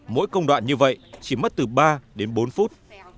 mỗi công đoạn như vậy chỉ mất từ ba đến bốn phút